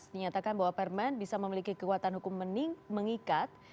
dinyatakan bahwa permen bisa memiliki kekuatan hukum mengikat